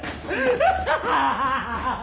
ハッハハ。